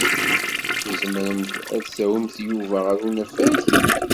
Tzemremt ad tawimt Yuba ɣer unafag?